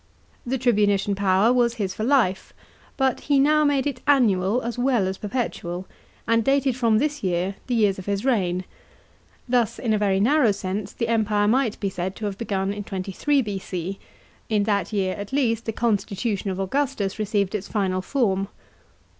The tribunician power was his for life, but he now made it annual as well as perpetual, and dated from this year the years of his reign. Thus in a very narrow sense the Empire might be said to have begun in 23 B.C. ; in that year at least the constitution of Augustus received its final form.